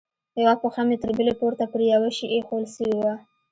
يوه پښه مې تر بلې پورته پر يوه شي ايښوول سوې وه.